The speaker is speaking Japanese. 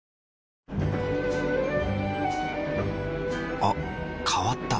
あ変わった。